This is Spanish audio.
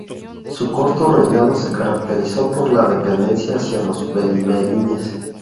Su corto reinado se caracterizó por la dependencia hacia los benimerines.